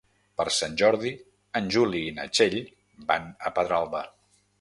Per Sant Jordi en Juli i na Txell van a Pedralba.